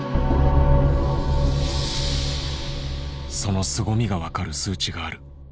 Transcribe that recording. そのすごみが分かる数値がある。